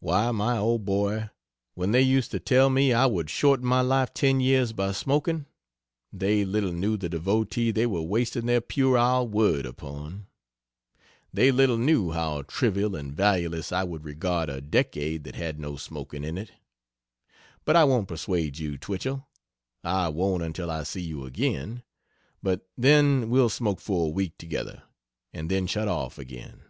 Why, my old boy, when they use to tell me I would shorten my life ten years by smoking, they little knew the devotee they were wasting their puerile word upon they little knew how trivial and valueless I would regard a decade that had no smoking in it! But I won't persuade you, Twichell I won't until I see you again but then we'll smoke for a week together, and then shut off again.